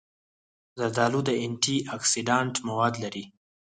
زردالو د انټي اکسېډنټ مواد لري.